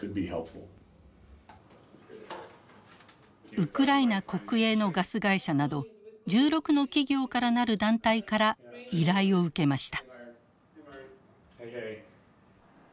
ウクライナ国営のガス会社など１６の企業から成る団体から依頼を受けました。